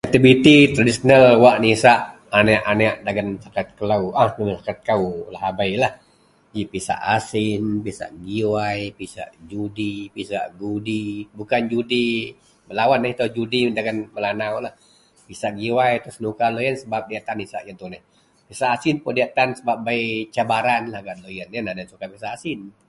aktiviti tradisional wak nisak aneak-aneak dagen Masyarakat kelou ah masyarakat kou lahabeilah ji pisak asin, pisak giwai, pisak judi pisak gudi bukan judi belawen eh, itou judi dagen melanaulah, pisak giwai itou senuka loyien sebab diyak tan isak ien tuneh, pisak asin pun diyak tan sebab bei cabaran gak deloyien ienlah deloyien suka pisak asin